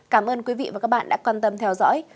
cảm ơn quý vị và các bạn đã quan tâm theo dõi